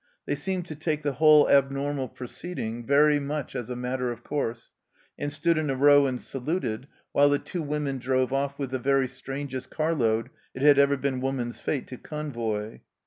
They seemed to take the whole abnormal proceeding very, much as a matter of course, and stood in a row and saluted while the two women drove off with the very strangest car load it had ever been woman's fate to convoy.